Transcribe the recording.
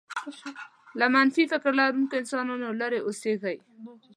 له منفي فکر لرونکو انسانانو لرې اوسېږئ.